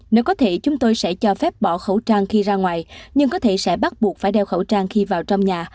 nếu có thể chúng tôi sẽ cho phép bỏ khẩu trang khi ra ngoài nhưng có thể sẽ bắt buộc phải đeo khẩu trang khi vào trong nhà